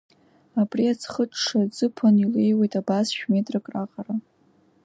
Абри аӡхыҽҽа аӡыԥан илеиуеит абас шә-метрак раҟара.